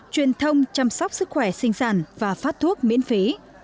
truyền thông chăm sóc sức khỏe sinh sản và phát thuốc miễn phí